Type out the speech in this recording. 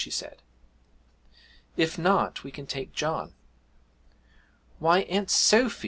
she said. 'If not, we can take John.' 'Why, Aunt Sophy!'